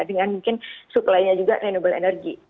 dengan mungkin suplainya juga renewable energy